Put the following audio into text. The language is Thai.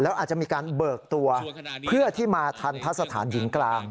แล้วอาจจะมีการเบิกตัวเพื่อที่มาทันทะสถานหญิงกลาง